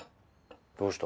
どうした？